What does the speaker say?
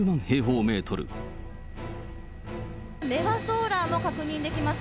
メガソーラーも確認できます。